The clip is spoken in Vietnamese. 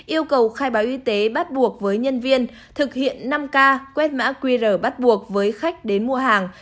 yêu cầu khai báo y tế bắt buộc với nhân viên thực hiện năm k quét quét mã qr bắt buộc với khách đến mua hàng